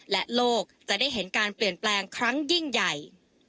และโลกจะได้เห็นการเปลี่ยนแปลงครั้งยิ่งใหญ่